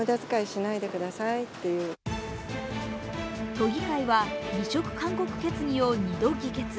都議会は辞職勧告決議を２度議決。